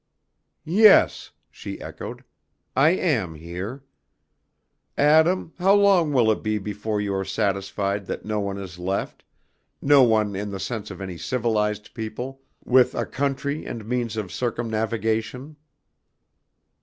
"Yes," she echoed; "I am here. Adam, how long will it be before you are satisfied that no one is left, no one in the sense of any civilized people, with a country and means of circumnavigation?"